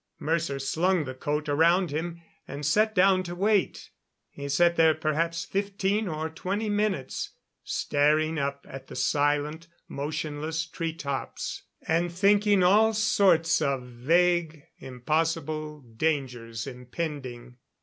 Mercer slung the coat around him and sat down to wait. He sat there perhaps fifteen or twenty minutes, staring up at the silent, motionless treetops, and thinking all sorts of vague, impossible dangers impending.